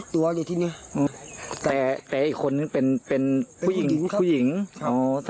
แต่อีกคนนึงเป็นผู้หญิงค่ะ